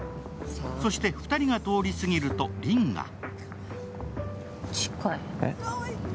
そして２人が通り過ぎると凛が。